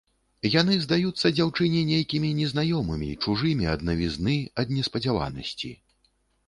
Яны здаюцца дзяўчыне нейкімі незнаёмымі, чужымі ад навізны, ад неспадзяванасці.